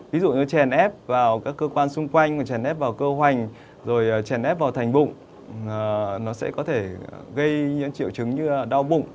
ví dụ như chèn ép vào các cơ quan xung quanh mà chèn ép vào cơ hoành rồi chèn ép vào thành bụng nó sẽ có thể gây những triệu chứng như đau bụng